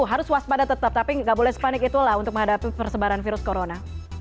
harus waspada tetap tapi nggak boleh sepanik itulah untuk menghadapi persebaran virus corona